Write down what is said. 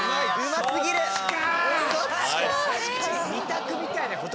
２択みたいな事。